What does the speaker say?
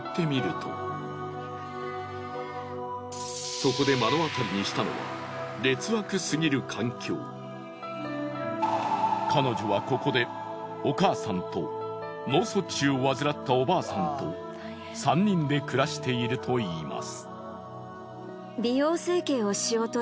そこで目の当たりにしたのは彼女はここでお母さんと脳卒中を患ったおばあさんと３人で暮らしているといいます。